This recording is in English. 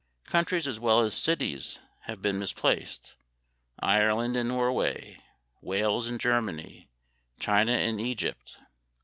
Countries as well as cities have been misplaced; Ireland in Norway, Wales in Germany, China in Egypt.